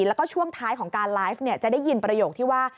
แล้วก็ช่วงท้ายของการไลฟ์จะได้ยินประโยคที่ว่า